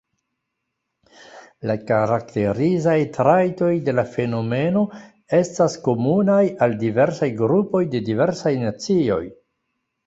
La karakterizaj trajtoj de la fenomeno estas komunaj al diversaj grupoj de diversaj nacioj.